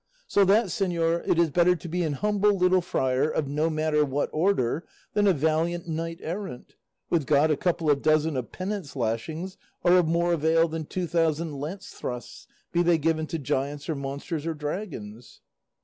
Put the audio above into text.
So that, señor, it is better to be an humble little friar of no matter what order, than a valiant knight errant; with God a couple of dozen of penance lashings are of more avail than two thousand lance thrusts, be they given to giants, or monsters, or dragons."